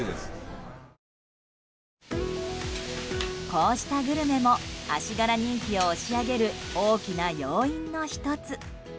こうしたグルメも足柄人気を押し上げる大きな要因の１つ。